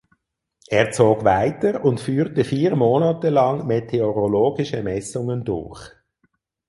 Er zog weiter und führte vier Monate lang meteorologische Messungen durch.